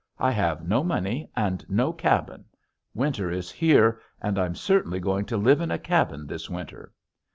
I have no money and no cabin. Winter is here and I'm certainly going to live in a cabin this winter."